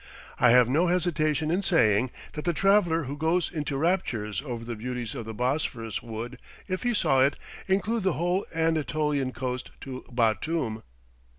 I have no hesitation in saying that the traveller who goes into raptures over the beauties of the Bosphorus would, if he saw it, include the whole Anatolian coast to Batoum.